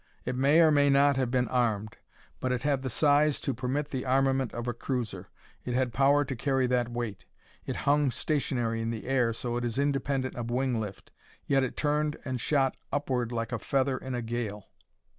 It may or may not have been armed, but it had the size to permit the armament of a cruiser; it had power to carry that weight. It hung stationary in the air, so it is independent of wing lift, yet it turned and shot upward like a feather in a gale.